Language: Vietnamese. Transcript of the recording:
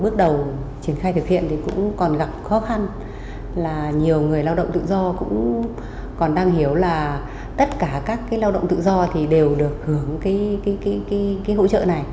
các huyện còn gặp khó khăn là nhiều người lao động tự do cũng còn đang hiểu là tất cả các cái lao động tự do thì đều được hưởng cái hỗ trợ này